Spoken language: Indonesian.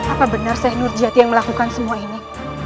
apa benar syekh nurjati yang melakukan semua ini